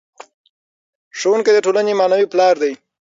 ښوونکی د ټولنې معنوي پلار دی.